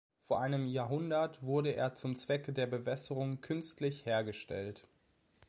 Vor einem Jahrhundert wurde er zum Zwecke der Bewässerung künstlich hergestellt.